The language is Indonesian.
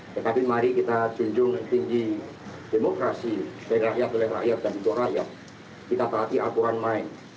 tetapi mari kita junjung tinggi demokrasi dari rakyat oleh rakyat dan untuk rakyat kita taati aturan main